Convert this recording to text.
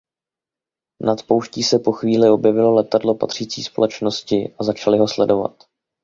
Nad pouští se po chvíli objevilo letadlo patřící společnosti a začali ho sledovat.